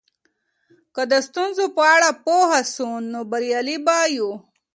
که د ستونزو په اړه پوه سو نو بریالي به یو.